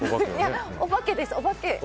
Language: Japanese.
お化けです。